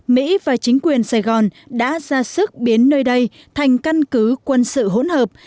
mỹ và chính quyền sài gòn đã ra sức biến nơi đây thành căn cứ quân sự hỗn hợp